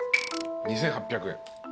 ２，８００円。